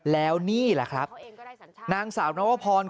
แล้วนี้แหละน้างสาวนวพรคนนี้แหละ